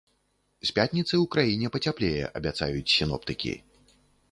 З пятніцы ў краіне пацяплее, абяцаюць сіноптыкі.